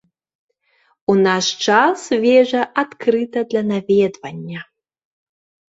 У наш час вежа адкрыта для наведвання.